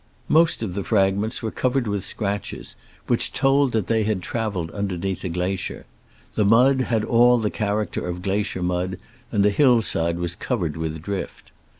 Most of the fragments were covered with scratches, which told that they had traveled underneath a glacier. The mud had all the character of glacier mud, and the hillside was covered with drift.